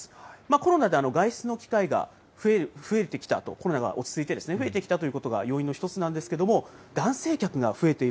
コロナで外出の機会が増えてきたと、コロナが落ち着いてきてですね、増えてきたということが要因の一つなんですけども、男性客が本当。